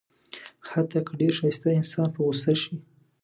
حتی که ډېر ښایسته انسان په غوسه شي.